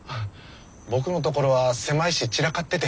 僕のところは狭いし散らかってて。